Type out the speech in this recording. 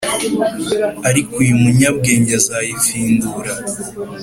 ariko umunyabwenge azayifindura